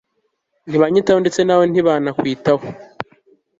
ntibanyitaho ndetse nawe ntibanakwitaho